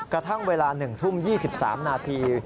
กระทั่งเวลา๑ทุ่ม๒๓นาที